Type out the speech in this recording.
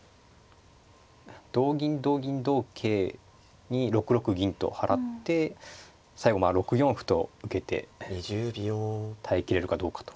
同銀同銀同桂に６六銀と払って最後まあ６四歩と受けて耐えきれるかどうかと。